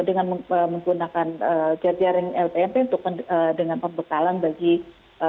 dengan menggunakan jaring lpmp untuk dengan pembekalan berdasarkan